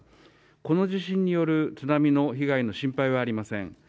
この地震による津波の被害の心配はありません。